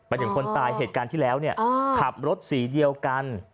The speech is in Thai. ถึงคนตายเหตุการณ์ที่แล้วเนี่ยขับรถสีเดียวกัน